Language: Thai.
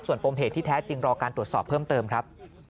ส่วนปมเหตุที่แท้จริงรอการตรวจสอบเพิ่มเติมครับ